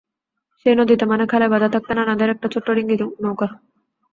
সেই নদীতে মানে খালে বাঁধা থাকত নানাদের একটা ছোট্ট ডিঙি নৌকা।